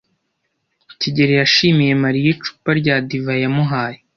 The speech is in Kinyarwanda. kigeli yashimiye Mariya icupa rya divayi yamuhaye.